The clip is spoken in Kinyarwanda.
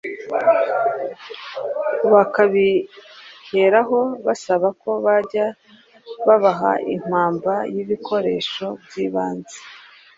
bakabiheraho basaba ko bajya babaha impamba y’ibikoresho by’ibanze